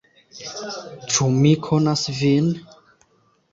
Ĉu mi konas vin?